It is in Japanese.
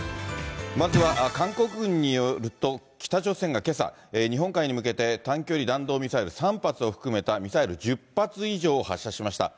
まずは、韓国軍によると、北朝鮮がけさ、日本海に向けて短距離弾道ミサイル３発を含めたミサイル１０発以上を発射しました。